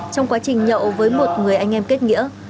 trong quá trình nhậu với một người anh em kết nghĩa